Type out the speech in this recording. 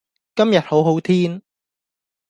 今日好好天